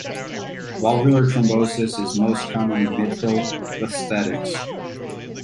Valvular thrombosis is most common in mitral prosthetics.